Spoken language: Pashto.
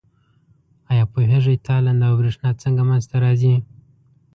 آیا پوهیږئ تالنده او برېښنا څنګه منځ ته راځي؟